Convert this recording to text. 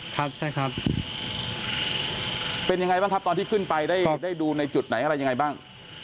ครับใช่ครับเป็นยังไงบ้างครับตอนที่ขึ้นไปได้ดูในจุดไหนอะไรยังไงบ้าง